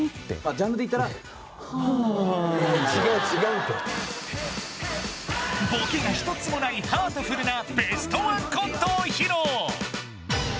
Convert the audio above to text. いやいやボケが１つもないハートフルなベストワンコントを披露！